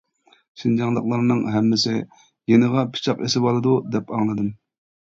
شىنجاڭلىقلارنىڭ ھەممىسى يېنىغا پىچاق ئېسىۋالىدۇ دەپ ئاڭلىدىم.